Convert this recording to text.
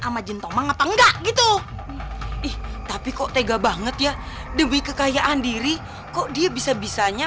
sama jintomang apa enggak gitu ih tapi kok tega banget ya demi kekayaan diri kok dia bisa bisanya